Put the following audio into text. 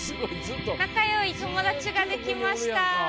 仲良い友達ができました。